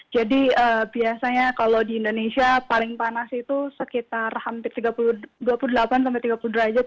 jadi biasanya kalau di indonesia paling panas itu sekitar hampir dua puluh delapan tiga puluh derajat